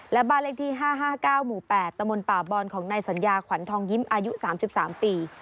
และบ้านเลขที่๕๕๙หมู่๘ตมป่าบอลของนายสัญญาขวัญทองยิ้มอายุ๓๓ปี